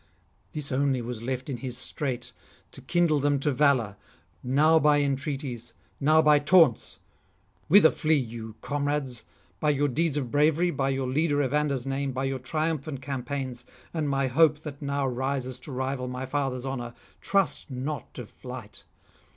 This only was left in his strait, to kindle them to valour, now by entreaties, now by taunts: 'Whither flee you, comrades? by your deeds of bravery, by your leader Evander's name, by your triumphant campaigns, and my hope that now rises to rival my father's honour, trust not to flight.